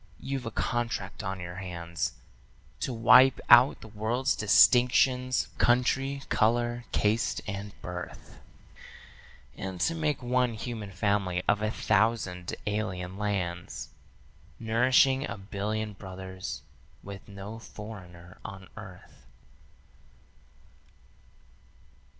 You've a contract on your hands To wipe out the world's distinctions, country, color, caste, and birth, And to make one human family of a thousand alien lands, Nourishing a billion brothers with no foreigner on earth.